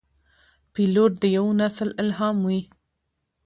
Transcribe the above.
پیلوټ د یوه نسل الهام وي.